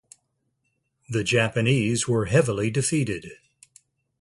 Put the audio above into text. The Japanese were heavily defeated.